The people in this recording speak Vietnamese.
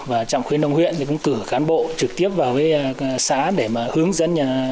và trạm khuyên nông huyện cũng cử cán bộ trực tiếp vào với xã để mà hướng dân